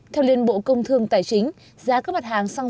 theo liên bộ công thương tài chính giá các mặt hàng xăng